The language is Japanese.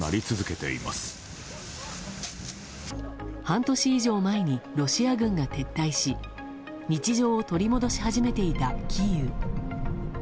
半年以上前にロシア軍が撤退し日常を取り戻し始めていたキーウ。